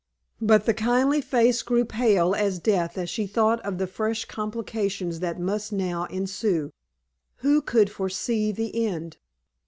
But the kindly face grew pale as death as she thought of the fresh complications that must now ensue. Who could foresee the end?